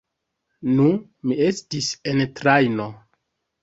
Nu, mi estis en la trajno...